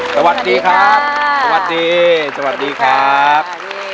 สวัสดีครับสวัสดีสวัสดีครับ